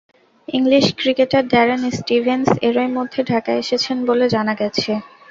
English cricketer Darren Stevens এরই মধ্যে ঢাকায় এসেছেন বলে জানা গেছে।